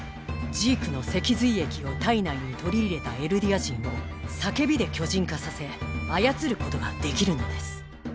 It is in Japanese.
ジークの脊髄液を体内に取り入れたエルディア人を叫びで巨人化させ操ることができるのです。